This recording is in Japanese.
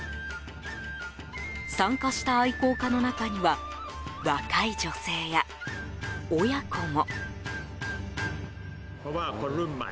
参加した愛好家の中には若い女性や親子も。